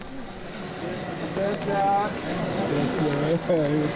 いってらっしゃい。